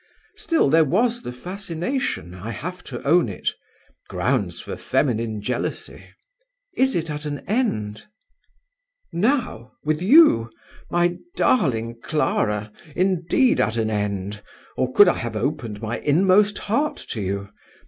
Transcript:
Still there was the fascination. I have to own it. Grounds for feminine jealousy." "Is it at an end?" "Now? with you? my darling Clara! indeed at an end, or could I have opened my inmost heart to you!